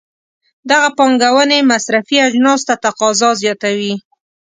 دغه پانګونې مصرفي اجناسو ته تقاضا زیاتوي.